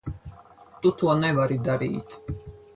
Tu to nevari darīt.